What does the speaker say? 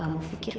oh aku vadu awit